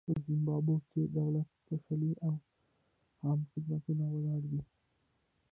په زیمبابوې کې دولت پاشلی او عامه خدمتونه ولاړ دي.